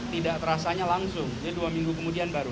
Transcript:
tidak terasanya langsung jadi dua minggu kemudian baru